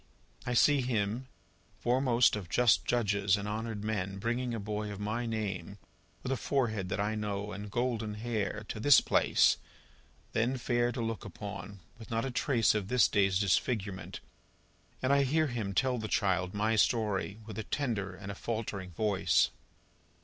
I see him, fore most of just judges and honoured men, bringing a boy of my name, with a forehead that I know and golden hair, to this place then fair to look upon, with not a trace of this day's disfigurement and I hear him tell the child my story, with a tender and a faltering voice.